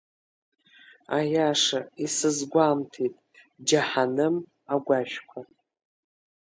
Аиаша исызгәамҭеит џьаҳаным агәашәқәа…